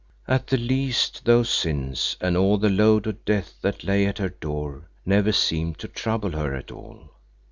At the least those sins and all the load of death that lay at her door never seemed to trouble her at all.